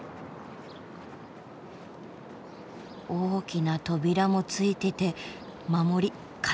大きな扉もついてて守り堅そう。